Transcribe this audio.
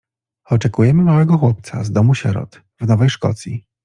Oczekujemy małego chłopca z Domu Sierot, w Nowej Szkocji.